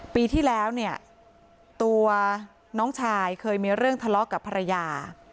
ปีที่แล้วเนี่ยตัวน้องชายเคยมีเรื่องทะเลาะกับภรรยา